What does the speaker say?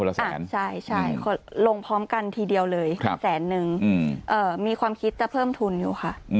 แสนใช่ลงพร้อมกันทีเดียวเลยแสนนึงมีความคิดจะเพิ่มทุนอยู่ค่ะ